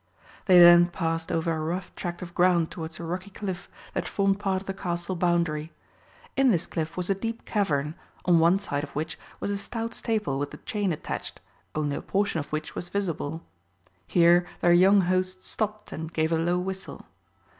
They then passed over a rough tract of ground towards a rocky cliff that formed part of the Castle boundary. In this cliff was a deep cavern, on one side of which was a stout staple with a chain attached, only a portion of which was visible. Here their young host stopped and gave a low whistle.